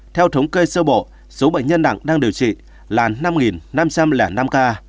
theo thống kê sơ bộ số bệnh nhân nặng đang điều trị là năm năm trăm linh năm ca